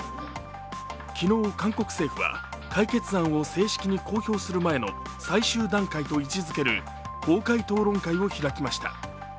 昨日、韓国政府は解決案を正式に公表する前の最終段階と位置づける公開討論会を開きました。